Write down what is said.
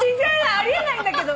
あり得ないんだけど。